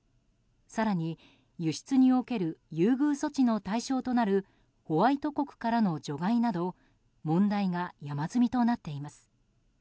更に、輸出における優遇措置の対象となるホワイト国からの除外など問題が山積みとなっています。